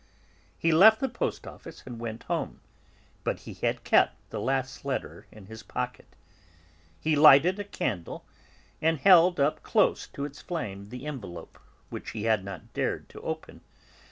He left the post office and went home, but he had kept the last letter in his pocket. He lighted a candle, and held up close to its flame the envelope which he had not dared to open.